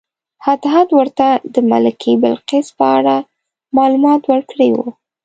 هدهد ورته د ملکې بلقیس په اړه معلومات ورکړي وو.